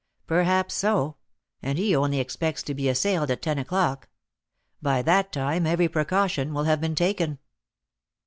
Perhaps so, and he only expects to be assailed at ten o'clock; by that time every precaution will have been taken."